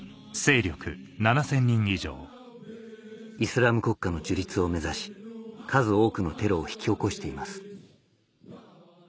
イスラム国家の樹立を目指し数多くのテロを引き起こしています